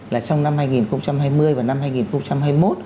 là trong năm hai nghìn hai mươi và năm hai nghìn hai mươi một